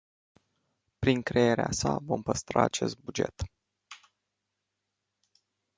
Prin crearea sa, vom păstra acest buget.